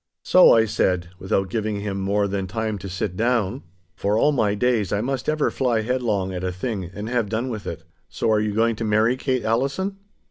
'So,' I said, without giving him more than time to sit down—for all my days I must ever fly headlong at a thing and have done with it—'so you are going to marry Kate Allison?